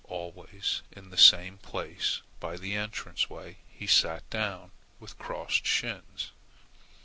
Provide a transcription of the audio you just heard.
Always in the same place by the entrance way he sat down with crossed shins.